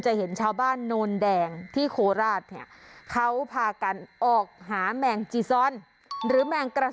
แมงจีซอนนิมาจากเกาหลีหรือเปล่า